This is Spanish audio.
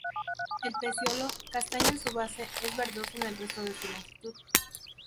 El peciolo, castaño en su base, es verdoso en el resto de su longitud.